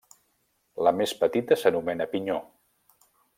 La més petita s'anomena pinyó.